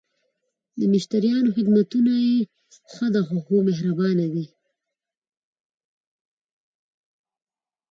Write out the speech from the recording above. د مشتریانو خدمتونه یی ښه ده؟ هو، مهربانه دي